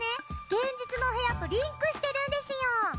現実の部屋とリンクしてるんですよ。